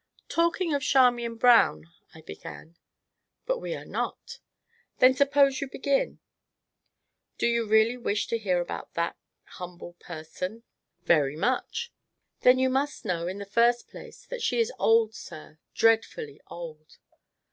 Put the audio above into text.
"Talking of Charmian Brown " I began. "But we are not." "Then suppose you begin?" "Do you really wish to hear about that humble person?" "Very much!" "Then you must know, in the first place, that she is old, sir, dreadfully old!"